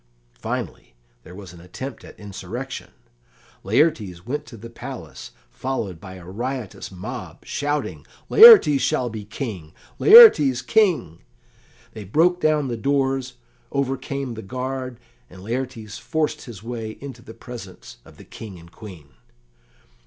Finally, there was an attempt at insurrection. Laertes went to the palace, followed by a riotous mob, shouting, "Laertes shall be King! Laertes King!" They broke down the doors, overcame the guard, and Laertes forced his way into the presence of the King and Queen.